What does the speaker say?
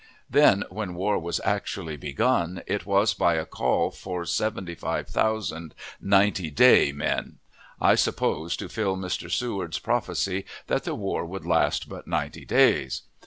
Then, when war was actually begun, it was by a call for seventy five thousand "ninety day" men, I suppose to fulfill Mr. Seward's prophecy that the war would last but ninety days.